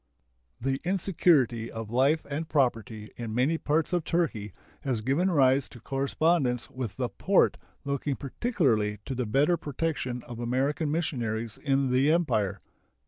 The insecurity of life and property in many parts of Turkey has given rise to correspondence with the Porte looking particularly to the better protection of American missionaries in the Empire.